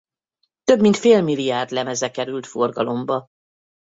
Több mint fél milliárd lemeze került forgalomba.